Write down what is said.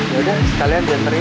yaudah sekalian biar terin